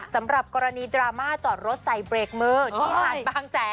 สำหรับกรณีดราม่าจอดรถใส่เบรกมือที่หาดบางแสน